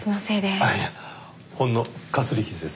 いやほんのかすり傷です。